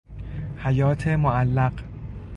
حیات معلق